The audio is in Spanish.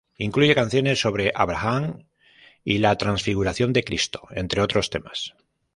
Incluye canciones sobre Abraham y la Transfiguración de Cristo, entre otros temas.